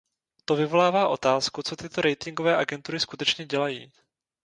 To vyvolává otázku, co tyto ratingové agentury skutečně dělají.